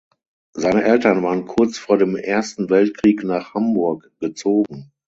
Seine Eltern waren kurz vor dem Ersten Weltkrieg nach Hamburg gezogen.